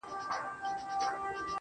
كه په رنگ باندي زه هر څومره تورېږم.